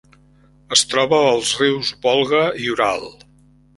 Es troba als rius Volga i Ural.